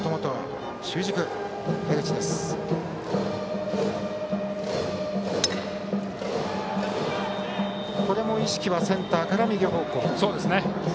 今のも意識はセンターから右方向。